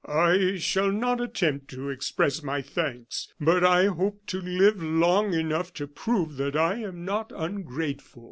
"I shall not attempt to express my thanks, but I hope to live long enough to prove that I am not ungrateful."